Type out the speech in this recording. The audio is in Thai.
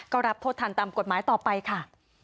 ก็รับโทษทันตามกฎหมายต่อไปค่ะ